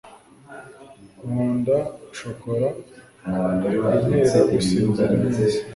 Nkunda shokora intera gusinzira neza